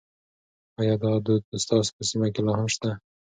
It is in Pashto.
ایا دا دود ستاسو په سیمه کې لا هم شته؟